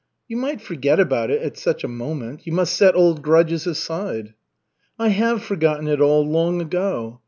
"You might forget about it at such a moment. You must set old grudges aside." "I have forgotten it all long ago.